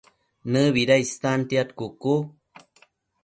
¿Nëbida istantiad cucu?